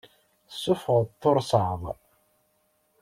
Tessuffɣeḍ tursaḍ.